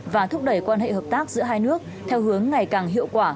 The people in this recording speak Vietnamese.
và thúc đẩy quan hệ hợp tác giữa hai nước theo hướng ngày càng hiệu quả